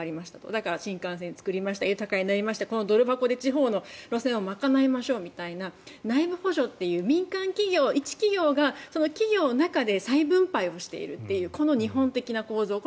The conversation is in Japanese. だから新幹線作りましたとかこのドル箱で地方の路線を賄いましょうという内部補助という民間の一企業が企業の中で再分配をしているというこの日本的な構造。